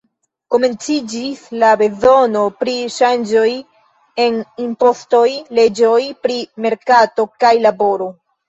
Komenciĝis la bezono pri ŝanĝoj en impostoj, leĝoj pri merkato kaj laboro.